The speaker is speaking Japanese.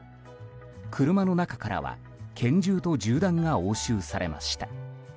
車の中からは拳銃と銃弾が押収されました。